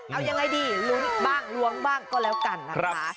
เอายังไงดีลุ้นบ้างล้วงบ้างก็แล้วกันนะคะ